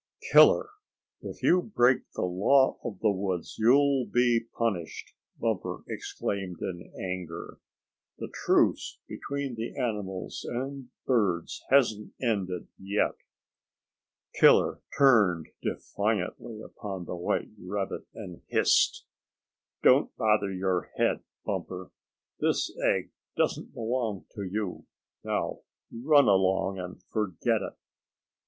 "Killer, if you break the law of the woods you'll be punished," Bumper exclaimed in anger. "The truce between the animals and birds hasn't ended yet." Killer turned defiantly upon the white rabbit, and hissed: "Don't bother your head, Bumper. This egg doesn't belong to you. Now run along, and forget it."